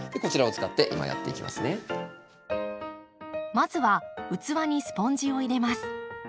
まずは器にスポンジを入れます。